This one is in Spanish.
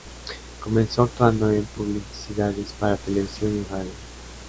Comenzó actuando en publicidades para televisión y radio.